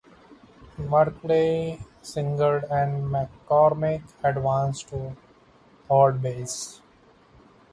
Merkle singled and McCormick advanced to third base.